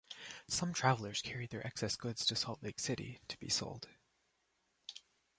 Some travelers carried their excess goods to Salt Lake City to be sold.